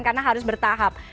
karena harus bertahap